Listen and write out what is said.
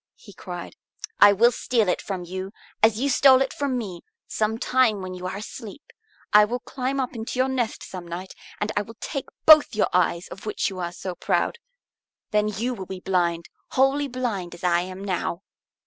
he cried. "I will steal it from you, as you stole it from me, some time when you are asleep. I will climb up into your nest some night, and I will take both your eyes of which you are so proud. Then you will be blind, wholly blind as I am now."